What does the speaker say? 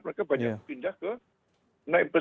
itu banyak pindah ke naipers